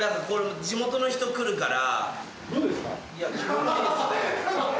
地元の人来るから。